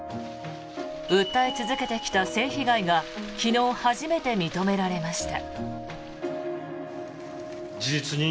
訴え続けてきた性被害が昨日初めて認められました。